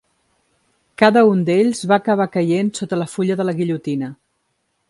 Cada un d'ells va acabar caient sota la fulla de la guillotina.